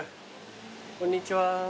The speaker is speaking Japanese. こんにちは。